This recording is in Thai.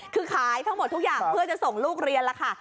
คือขายทั้งหมดทุกอย่างเพื่อจะส่งลูกเรียนแล้วค่ะ